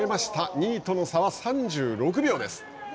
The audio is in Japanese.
２位との差は３６秒です。